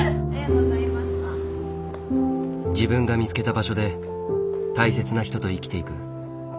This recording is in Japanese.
自分が見つけた場所で大切な人と生きていく。